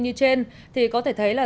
như trên thì có thể thấy là